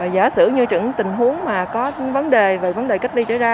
giả sử như tình huống có vấn đề về vấn đề cách ly trở ra